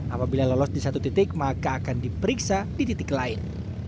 apabila lolos di satu titik maka akan diperiksa di titik lain